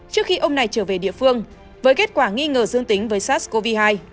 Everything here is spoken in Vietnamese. trước khi ông này trở về địa phương với kết quả nghi ngờ dương tính với sars cov hai